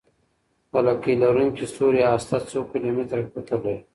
د لکۍ لرونکي ستوري هسته څو کیلومتره قطر لري.